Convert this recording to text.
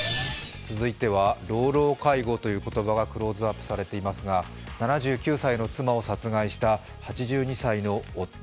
続いては老老介護という言葉がクローズアップされていますが７９歳の妻を殺害した８２歳の夫。